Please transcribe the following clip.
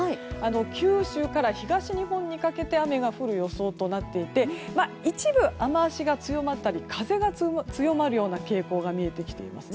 九州から東日本にかけて雨が降る予想になっていて一部、雨脚が強まったり風が強まるような傾向が見えてきていますね。